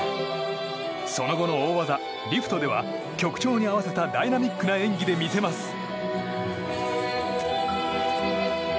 その後の大技、リフトでは曲調に合わせたダイナミックな演技で魅せます。